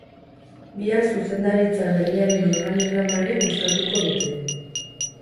Bihar zuzendaritza berriaren organigrama ere bozkatuko dute.